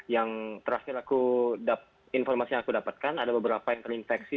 yang terakhir informasi yang aku dapatkan ada beberapa yang terinfeksi